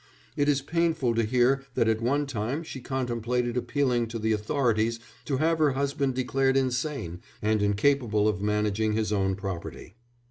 It is painful to hear that at one time she contemplated appealing to the authorities to have her husband declared insane and incapable of managing his own property.